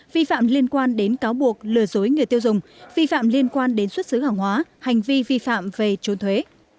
vi phạm liên quan đến cáo buộc lừa dối người tiêu dùng vi phạm liên quan đến xuất xứ hàng hóa hành vi vi phạm về trốn thuế